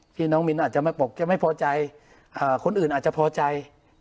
พี่น้องมินอาจจะบอกจะไม่พอใจคนอื่นอาจจะพอใจ